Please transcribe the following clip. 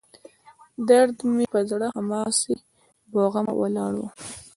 درد مې پر زړه هماغسې بوغمه ولاړ و.